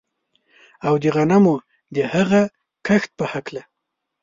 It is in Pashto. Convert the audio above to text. او د غنمو د هغه کښت په هکله